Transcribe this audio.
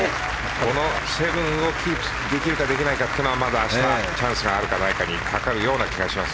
この７をキープできるかできないかというのはまだ明日、チャンスがあるかないかにかかる気がします。